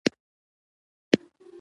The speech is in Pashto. تواب وکتل وزر لرونکي مار پروت و.